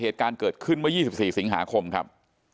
เหตุการณ์เกิดขึ้นเมื่อ๒๔สิงหาคมครับ